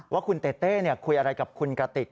ว่าคุณเต้เต้คุยอะไรกับคุณกติก